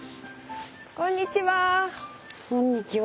こんにちは。